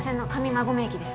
馬込駅です